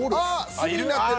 「済」になってる。